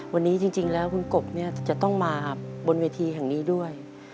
วันนี้จริงแล้วคุณกบจะต้องมาบนเวทีแห่งนี้ด้วย